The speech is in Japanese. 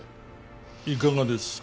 いかがですか？